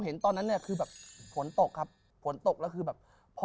ผมเห็นนั่นเนี่ยคือแบบผลตกครับ